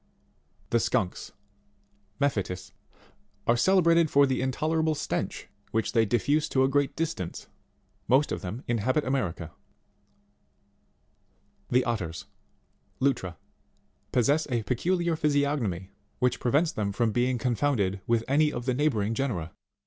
The Skunks Mephitis are celebrated for the intolerable stench which they diffuse to a great distance. Most of them in habit America. 28. The OTTERS, Lutra, possess a peculiar physiognomy, which prevents them from, being confounded with any of the neighbouring genera.